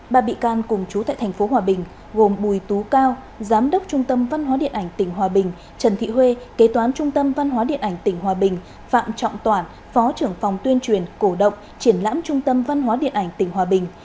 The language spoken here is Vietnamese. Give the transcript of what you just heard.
ba bị can cùng chú tại tp hòa bình gồm bùi tú cao giám đốc trung tâm văn hóa điện ảnh tỉnh hòa bình trần thị huê kế toán trung tâm văn hóa điện ảnh tỉnh hòa bình phạm trọng toản phó trưởng phòng tuyên truyền cổ động triển lãm trung tâm văn hóa điện ảnh tỉnh hòa bình